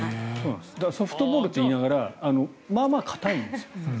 ソフトボールと言いながらまあまあ硬いんです。